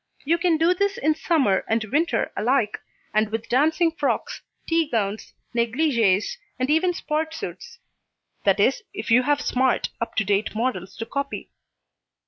You can do this in Summer and Winter alike, and with dancing frocks, tea gowns, negligées and even sport suits. That is, if you have smart, up to date models to copy.